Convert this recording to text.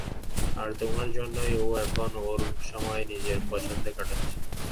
আর তোমার জন্যই, ও এখন ওর সময় নিজের পছন্দে কাটাচ্ছে।